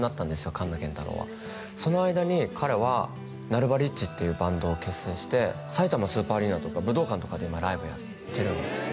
カンノケンタロウはその間に彼はＮｕｌｂａｒｉｃｈっていうバンドを結成してさいたまスーパーアリーナとか武道館とかでライブやってるんですよ